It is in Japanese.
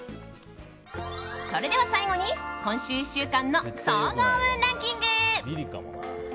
それでは最後に今週１種間の総合運ランキング。